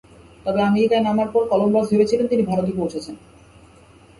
তবে আমেরিকায় নামার পর কলম্বাস ভেবেছিলেন তিনি ভারতে পৌঁছেছেন।